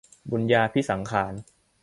บุญญาภิสังขาร